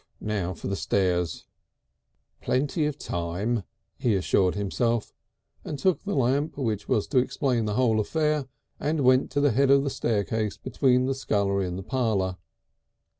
Now for the stairs!" "Plenty of time," he assured himself, and took the lamp which was to explain the whole affair, and went to the head of the staircase between the scullery and the parlour.